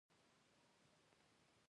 ځکه چې هغه د اورېدو پوره وړتيا نه لري.